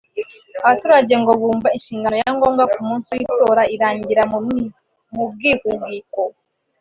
Abaturage ngo bumva inshingano ya ngombwa ku munsi w’Itora irangirira mu bwihugiko